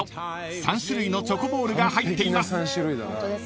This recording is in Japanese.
［３種類のチョコボールが入っています］